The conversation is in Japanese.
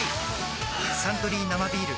「サントリー生ビール」